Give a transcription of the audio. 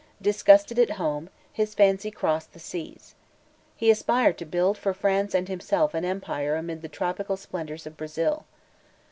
Disgusted at home, his fancy crossed the seas. He aspired to build for France and himself an empire amid the tropical splendors of Brazil.